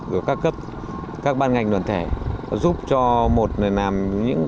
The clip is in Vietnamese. của các cấp các ban ngành luận thể giúp cho một người làm những cái vấn đề để tiêu thụ hàng năm